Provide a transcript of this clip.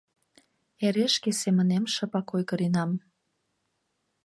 Эре шке семынем шыпак ойгыренам...